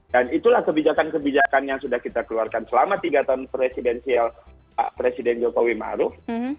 dan itulah kebijakan kebijakan yang sudah kita keluarkan selama tiga tahun presiden jokowi maruf